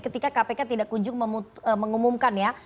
ketika kpk tidak kunjung mengumumkan ya